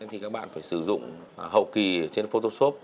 thì các bạn phải sử dụng hậu kì trên photoshop